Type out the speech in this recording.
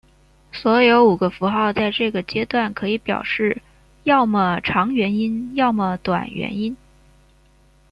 所有五个符号在这个阶段可以表示要么长元音要么短元音。